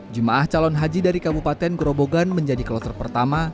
jemaah calon haji dari kabupaten gerobogan menjadi kloter pertama